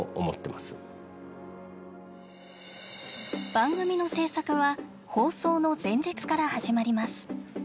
番組の制作は放送の前日から始まります。